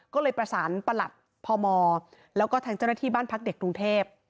ก็เลยประสานประหลัดพมแล้วก็ทางเจ้าหน้าที่บ้านพักเด็กกรุงเทพ